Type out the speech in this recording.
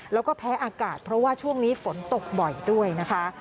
แล้วก็แพ้อากาศเพราะว่าช่วงนี้ฝนตกบ่อยด้วยนะคะ